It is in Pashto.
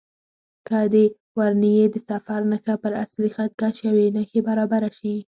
که د ورنیې د صفر نښه پر اصلي خط کش یوې نښې برابره شي.